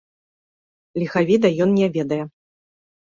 Ліхавіда ён не ведае.